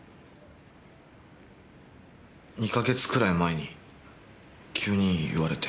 ２か月くらい前に急に言われて。